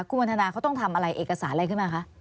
คุณวันทนาเขาต้องทำอะไรเอกสารอะไรขึ้นมาคะ